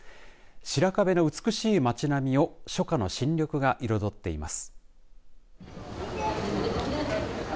白壁の美しい町並みを初夏の新緑が彩っています。